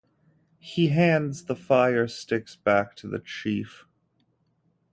He hands the fire-sticks back to the chief.